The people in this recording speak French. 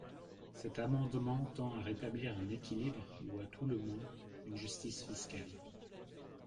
Cet amendement tend à rétablir un équilibre, ou à tout le moins une justice fiscale.